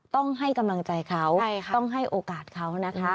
ต้องให้กำลังใจเขาต้องให้โอกาสเขานะคะ